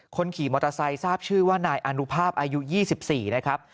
คนขี่มอเตอร์ไซค์ทราบชื่อว่านายอนุภาพอายุ๒๔นะครับ